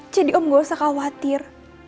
jadi om gak usah khawatir